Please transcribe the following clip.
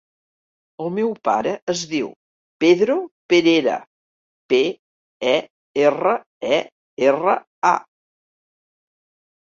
El meu pare es diu Pedro Perera: pe, e, erra, e, erra, a.